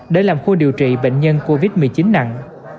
để làm khu điều trị bệnh nhân covid một mươi chín nặng